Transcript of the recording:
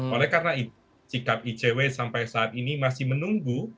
oleh karena itu sikap icw sampai saat ini masih menunggu